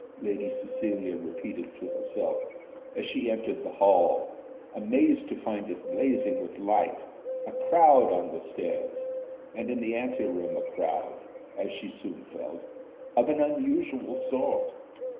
Lady Cecilia repeated to herself as she entered the hall, amazed to find it blazing with light, a crowd on the stairs, and in the anteroom a crowd, as she soon felt, of an unusual sort.